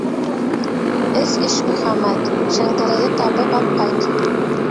Эс, Ишмөхәмәт, Шәңгәрәйҙе табып апҡайт.